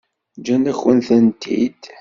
Ǧǧan-akent-tent-id?